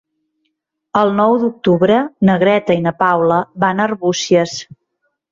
El nou d'octubre na Greta i na Paula van a Arbúcies.